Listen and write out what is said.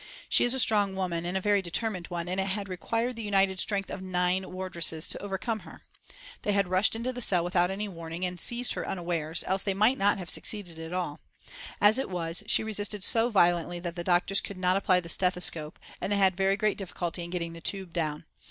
She is a strong woman, and a very determined one, and it had required the united strength of nine wardresses to overcome her. They had rushed into the cell without any warning, and had seized her unawares, else they might not have succeeded at all. As it was she resisted so violently that the doctors could not apply the stethoscope, and they had very great difficulty in getting the tube down.